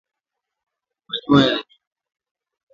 Manyoya yaliyo magumu